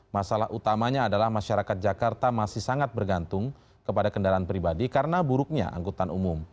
masalah utamanya adalah masyarakat jakarta masih sangat bergantung kepada kendaraan pribadi karena buruknya angkutan umum